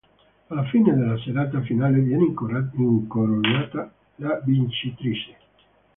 Alla fine della serata finale viene incoronata la vincitrice.